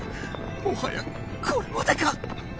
もはやこれまでか！